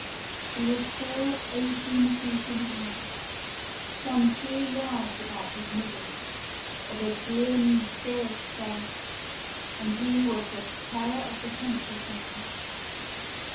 He was full eighteen feet in height, some three yards about his middle, of a grim fierce face, and he was the terror of all the country side.